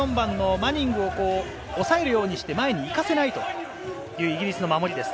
マニングを抑えるようにして、前に行かせないというイギリスの守りです。